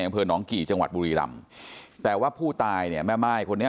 อำเภอหนองกี่จังหวัดบุรีรำแต่ว่าผู้ตายเนี่ยแม่ม่ายคนนี้